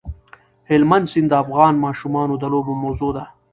هلمند سیند د افغان ماشومانو د لوبو موضوع ده.